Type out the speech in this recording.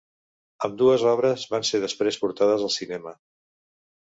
Ambdues obres van ser després portades al cinema.